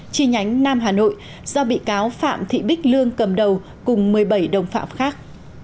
chi nhánh nam hà nội do bị cáo phạm thị bích lương cầm đầu cùng một mươi bảy đồng phạm khác